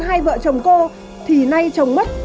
hai vợ chồng cô thì nay trồng mất